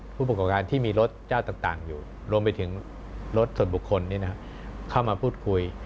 ผู้ประกอบการที่มีรถเจ้าต่างอยู่รวมไปถึงรถส่วนบุคคลเข้ามาพูดคุย